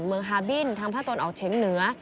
เมืองฮาบิ้นทางพระตนออกเฉียงเหนือ